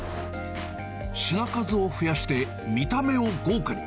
品数を増やして見た目を豪華に。